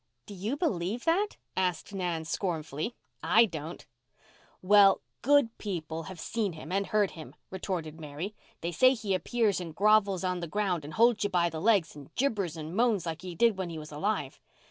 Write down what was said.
"Do you believe that?" asked Nan scornfully. "I don't." "Well, good people have seen him—and heard him." retorted Mary. "They say he appears and grovels on the ground and holds you by the legs and gibbers and moans like he did when he was alive.